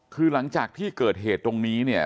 คือหลังจากที่เกิดเหตุตรงนี้เนี่ย